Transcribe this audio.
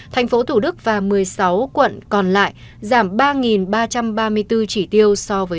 thành phố thủ đức và một mươi sáu quận còn lại giảm ba ba trăm ba mươi bốn chỉ tiêu so với